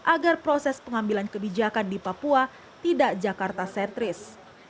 agar proses pengambilan kebijakan di papua tidak jakarta setris